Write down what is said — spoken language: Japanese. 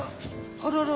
あららら。